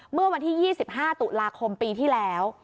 เมื่อวันที่๒๕ตุลาคมปีที่แล้ว